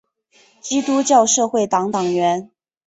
基督教社会党党员。